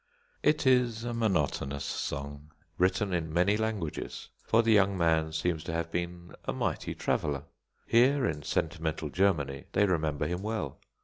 It is a monotonous song, written in many languages; for the young man seems to have been a mighty traveller. Here in sentimental Germany they remember him well.